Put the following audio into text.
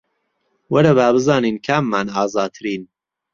وەرە با بزانین کاممان ئازاترین